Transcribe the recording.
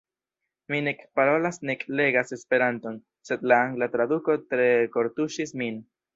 Mi nek parolas nek legas Esperanton, sed la angla traduko tre kortuŝis min.